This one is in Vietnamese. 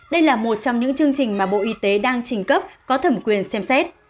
đây là một trong những chương trình mà bộ y tế đang trình cấp có thẩm quyền xem xét